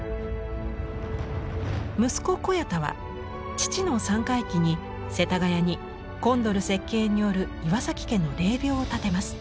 息子小彌太は父の三回忌に世田谷にコンドル設計による岩家の霊廟を建てます。